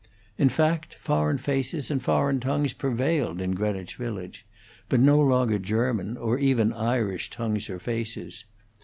In fact, foreign faces and foreign tongues prevailed in Greenwich Village, but no longer German or even Irish tongues or faces.